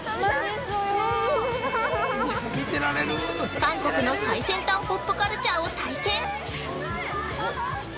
韓国の最先端ポップカルチャーを体験。